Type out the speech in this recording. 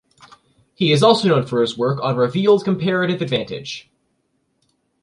He is also known for his work on revealed comparative advantage.